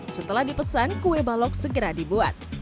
setelah dipesan kue balok segera dibuat